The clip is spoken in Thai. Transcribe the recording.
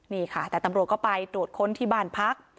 นี่ค่ะแต่ตำรวจก็ไปตรวจค้นที่บ้านพัก